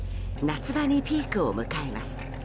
夏場にピークを迎えます。